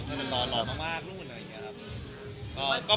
เสนอนตอร์หลอมมากรุ่นอย่างเงี้ยครับ